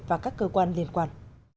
và các cơ quan liên quan